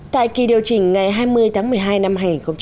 tại kỳ điều chỉnh ngày hai mươi tháng một mươi hai năm hai nghìn một mươi chín